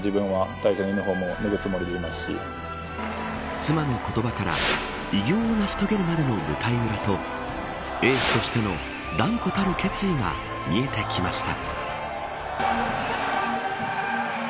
妻の言葉から偉業を成し遂げるまでの舞台裏とエースとしての断固たる決意が見えてきました。